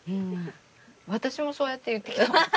私もそうやって言ってきた。